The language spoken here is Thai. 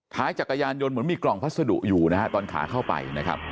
ขาจักรยานยนต์เหมือนมีกล่องพัสดุอยู่ตอนขาเข้าไป